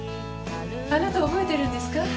あなた覚えてるんですか？